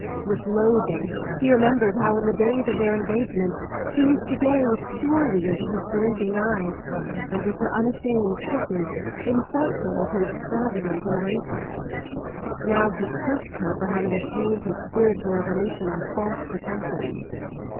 With loathing he remembered how in the days of their engagement she used to gaze purely into his blinking eyes and with her unashamed kisses incite him to extravagant embraces. Now he cursed her for having obtained his spiritual revolution on false pretences.